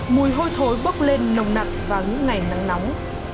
mùi hôi thối bốc lên nồng nặng vào những ngày nắng nóng